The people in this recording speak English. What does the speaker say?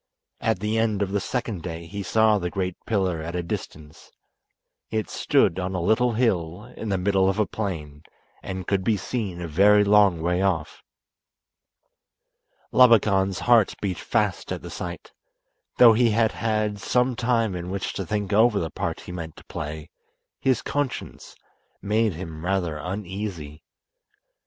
At the end of the second day he saw the great pillar at a distance. It stood on a little hill in the middle of a plain, and could be seen a very long way off. Labakan's heart beat fast at the sight. Though he had had some time in which to think over the part he meant to play his conscience made him rather uneasy.